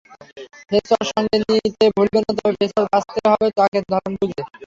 Face wash সঙ্গে নিতে ভুলবেন না, তবে ফেসওয়াশ বাছতে হবে ত্বকের ধরন বুঝে।